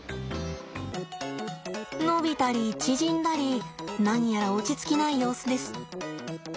伸びたり縮んだり何やら落ち着きない様子です。